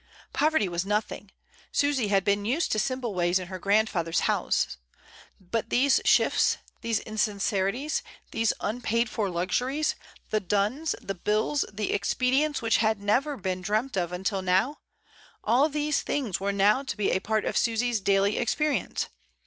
Poverty was nothing: Susy had been used to simple ways in her grandfather's house; but these shifts, these insin cerities, these unpaid for luxuries, the duns, the bills, the expedients which had never been dreamt of until now, all these things were now to be a part of Susy's daily experience.